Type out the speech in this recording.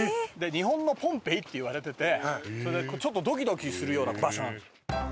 日本のポンペイっていわれててそれでちょっとドキドキするような場所なんですよ。